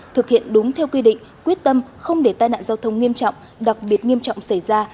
thực hiện đúng theo quy định quyết tâm không để tai nạn giao thông nghiêm trọng đặc biệt nghiêm trọng xảy ra